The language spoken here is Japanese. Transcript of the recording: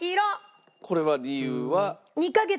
これは理由は。